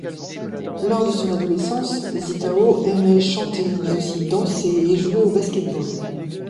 Lors de son adolescence, Zitao aimait chanter mais aussi danser et jouer au Basket-ball.